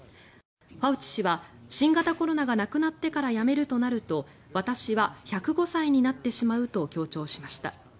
ファウチ氏は、新型コロナがなくなってから辞めるとなると私は１０５歳になってしまうと強調しました。